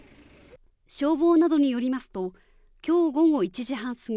消防などによりますときょう午後１時半過ぎ